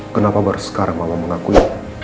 kenapa baru sekarang malah mengakui